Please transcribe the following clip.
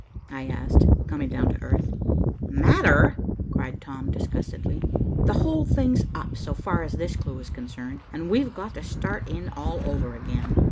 I asked, coming down to earth. "Matter," cried Tom disgustedly, "the whole thing's up so far as this clue is concerned, and we've got to start in all over again.